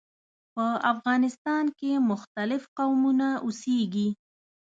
په افغانستان کې مختلف قومونه اوسیږي.